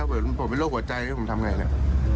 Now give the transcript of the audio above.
เป็นแบบนี้ผมมีโรคหัวใจผมทำไงเลย